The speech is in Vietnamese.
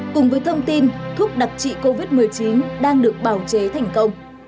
cùng với thông tin thuốc đặc trị covid một mươi chín đang được bào chế thành công